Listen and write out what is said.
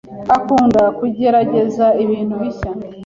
akunda kugerageza ibintu bishya.